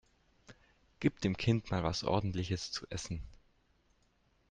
Gib dem Kind mal was Ordentliches zu essen!